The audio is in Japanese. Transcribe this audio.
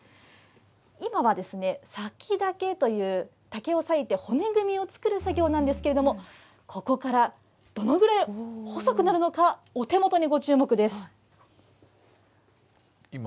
今は、割竹という竹を割いて骨組みを作る作業なんですけど、ここからどのぐらい細くなるのか、お手元にご注目です。